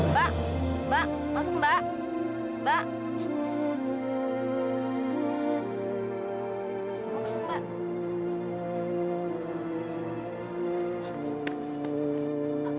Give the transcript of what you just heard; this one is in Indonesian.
pak pak masuk pak